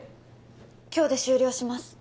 今日で終了します